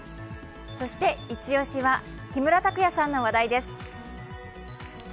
そしてイチ押しは木村拓哉さんの話題です。